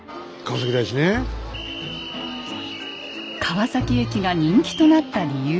川崎駅が人気となった理由。